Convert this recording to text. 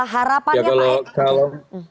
harapannya pak endar